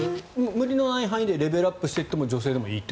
無理のない範囲でレベルアップしていっても女性でもいいと。